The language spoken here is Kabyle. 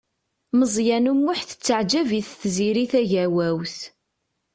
Meẓyan U Muḥ tettaɛǧab-it Tiziri Tagawawt.